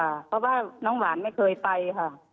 เพราะว่าน้องหวานไม่เคยไปค่ะ